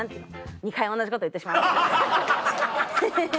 ２回同じこと言ってしまいましたヘヘヘ。